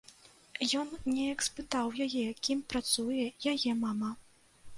Ён неяк спытаў яе, кім працуе яе мама.